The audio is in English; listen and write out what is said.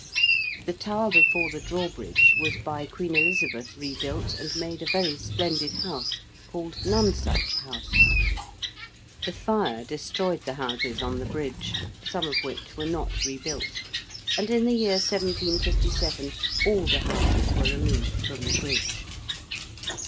The tower before the drawbridge was by Queen Elizabeth rebuilt and made a very splendid house called Nonesuch House. The Fire destroyed the houses on the Bridge, some of which were not rebuilt: and in the year 1757 all the houses were removed from the Bridge.